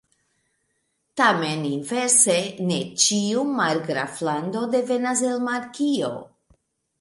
Tamen inverse, ne ĉiu margraflando devenas el markio.